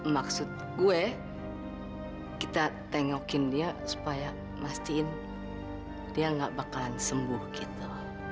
maksud gue kita tengokin dia supaya mastiin dia gak bakal sembuh gitu